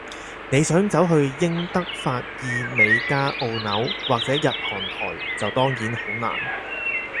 你想走去英德法意美加澳紐，或者日韓台，就當然好難